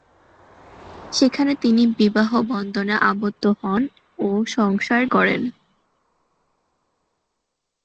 সেখানে তিনি বিবাহবন্ধনে আবদ্ধ হন ও সংসার গড়েন।